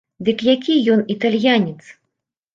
Дык які ён італьянец?